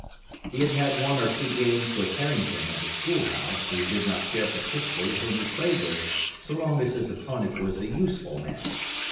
He had had one or two games with Harrington of the School House, who did not care particularly whom he played with so long as his opponent was a useful man.